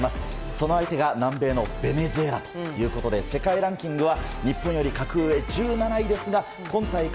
その相手が南米のベネズエラということで世界ランキングは日本より格上、１７位ですが今大会